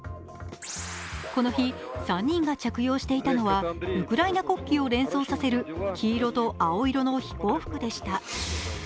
この日、３人が着用していたのはウクライナ国旗を連想させる黄色と青色の飛行服でした。